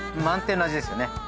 満点の味ですよね。